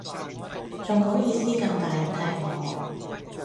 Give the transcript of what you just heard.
仲好意思咁大力踢我